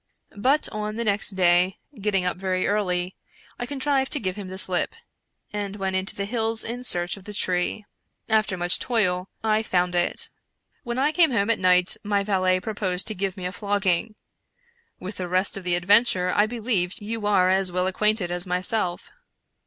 But, on the next day, getting up very early, I contrived to give him the slip, and went into the hills in search of the tree. After much toil I found it. When I came home at night my valet proposed to give me a flogging. With the rest of the adventure I believe you are as well acquainted as myself."